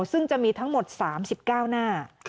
ซึ่งจะมีทั้งหมด๓๙หน้า